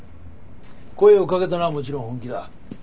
声をかけたのはもちろん本気だ。